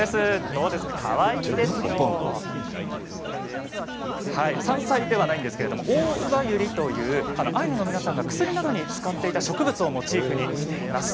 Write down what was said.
どうですかかわいいでしょう？山菜ではないんですけれどもオオウバユリというアイヌの皆さんが薬などに使っていた植物をモチーフにしています。